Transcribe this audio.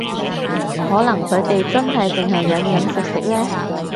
可能佢哋真係淨係飲飲食食呢